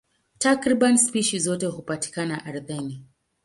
Takriban spishi zote hupatikana ardhini.